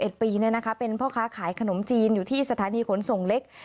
ปีเนี่ยนะคะเป็นพ่อค้าขายขนมจีนอยู่ที่สถานีขนส่งเล็ก